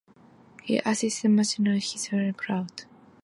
He assisted Marsilio Ficino with his Latin translation of Plato.